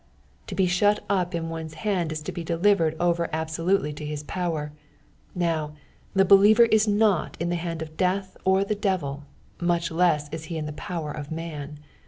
To be shut up in one's hand is to bo delivered over absolutely to his power ; now, the believer is not in the hand of death or the devil, much less is he in the power of man.